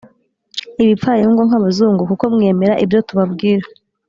ibipfayongo nk'abazungu, kuko mwemera ibyo tubabwira